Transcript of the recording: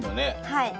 はい。